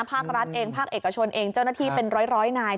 ภาครัฐเองภาคเอกชนเองเจ้าหน้าที่เป็นร้อยนาย